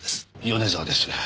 米沢です。